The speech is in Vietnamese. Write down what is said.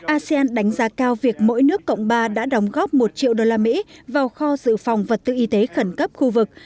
asean đánh giá cao việc mỗi nước cộng ba đã đóng góp một triệu đô la mỹ vào kho dự phòng vật tư y tế khẩn cấp khu vực